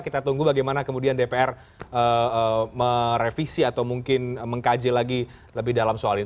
kita tunggu bagaimana kemudian dpr merevisi atau mungkin mengkaji lagi lebih dalam soal ini